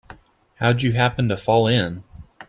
How'd you happen to fall in?